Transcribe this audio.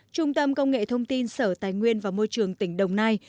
trung tâm công nghệ thông tin sở tài nguyên và môi trường tỉnh đồng nai